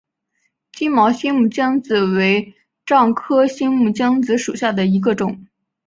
金毛新木姜子为樟科新木姜子属下的一个种。